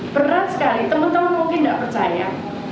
berat sekali teman teman mungkin tidak percaya